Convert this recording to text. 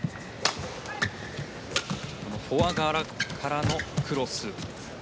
このフォア側からのクロス。